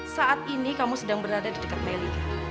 saat ini kamu sedang berada di dekat meli